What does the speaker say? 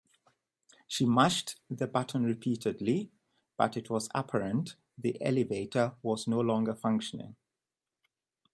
She mashed the button repeatedly, but it was apparent the elevator was no longer functioning.